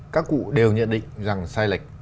các cụ đều nhận định rằng sai lệch